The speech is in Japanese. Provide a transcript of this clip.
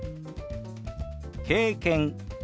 「経験」。